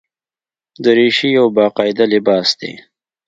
دریشي یو باقاعده لباس دی.